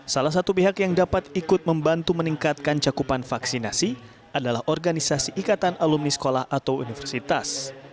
salah satu pihak yang dapat ikut membantu meningkatkan cakupan vaksinasi adalah organisasi ikatan alumni sekolah atau universitas